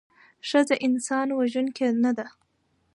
ښځه انسان وژوونکې نده